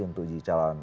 untuk di calon